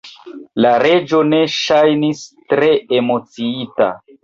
La Reĝo ne ŝajnis tre emociita.